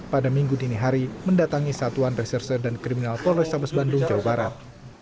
pada minggu dini hari mendatangi satuan reserse dan kriminal polrestabes bandung jawa barat